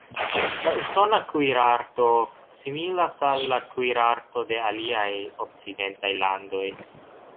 La usona kuirarto similas al la kuirarto de aliaj okcidentaj landoj.